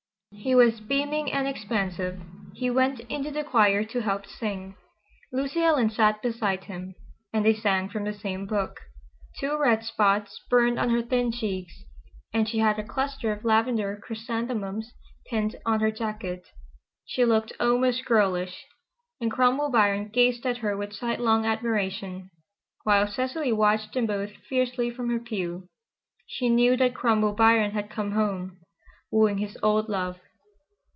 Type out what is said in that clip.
He was beaming and expansive. He went into the choir to help sing. Lucy Ellen sat beside him, and they sang from the same book. Two red spots burned on her thin cheeks, and she had a cluster of lavender chrysanthemums pinned on her jacket. She looked almost girlish, and Cromwell Biron gazed at her with sidelong admiration, while Cecily watched them both fiercely from her pew. She knew that Cromwell Biron had come home, wooing his old love.